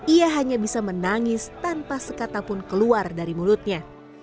ia hanya bisa menangis tanpa sekatapun keluar dari mulutnya